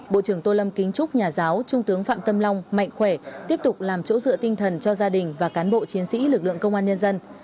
bộ trưởng tô lâm kính chúc nhà giáo trung tướng phạm tâm long mạnh khỏe tiếp tục làm chỗ dựa tinh thần cho gia đình và cán bộ chiến sĩ lực lượng công an nhân dân